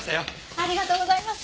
ありがとうございます。